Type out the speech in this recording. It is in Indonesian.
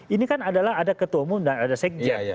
ini kan adalah ada ketua umum dan ada sekjen